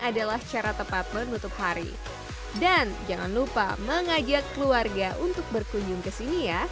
adalah cara tepat menutup hari dan jangan lupa mengajak keluarga untuk berkunjung ke sini ya